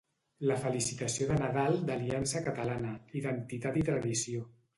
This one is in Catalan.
La felicitació de Nadal d'Aliança Catalana: identitat i tradició.